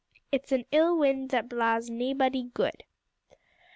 "IT'S AN ILL WIND THAT BLAWS NAEBODY GUID."